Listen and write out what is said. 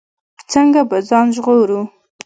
څنګه به ځان ژغورو.